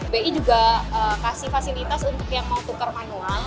bi juga kasih fasilitas untuk yang mau tukar manual